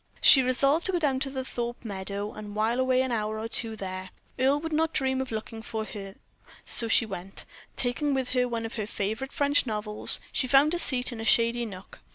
She resolved to go down to the Thorpe Meadow and while away an hour or two there. Earle would not dream of looking there for her; so she went, taking with her one of her favorite French novels. She found a seat in a shady nook.